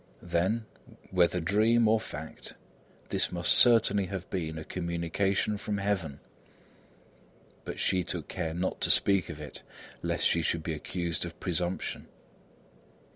Then, whether dream or fact, this must certainly have been a communication from heaven; but she took care not to speak of it, lest she should be accused of presumption.